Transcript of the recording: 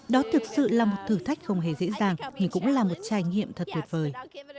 đó thực sự là một thử thách không hề dễ dàng nhưng cũng là một trải nghiệm thật tuyệt vời